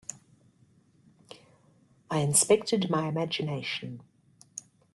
I inspected my imagination.